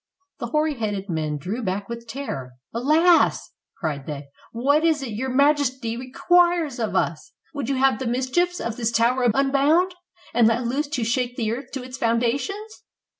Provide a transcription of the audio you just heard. The hoary headed men drew back with terror. "Alas!" cried they, "what is it Your Majesty requires of us? Would you have the mischiefs of this tower unbound, and let loose to shake the earth to its foundations?"